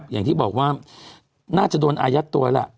อย่างที่บอกว่าน่าจะโดนอายัดตัวแล้ว